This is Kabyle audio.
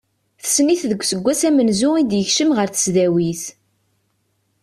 Tessen-it deg useggas amenzu i d-yekcem ɣer tesdawit.